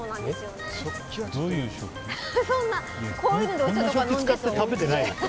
こういうのでお茶とか飲んでそう。